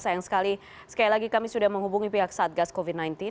sayang sekali sekali lagi kami sudah menghubungi pihak satgas covid sembilan belas